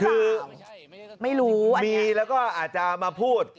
คือไม่รู้มีแล้วก็อาจจะมาพูด